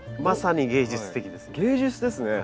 まさに芸術的です。